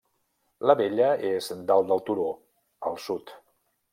La vella és dalt del turó al sud.